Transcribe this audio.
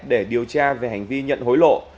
để điều tra về hành vi nhận hối lộ